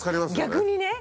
逆にね。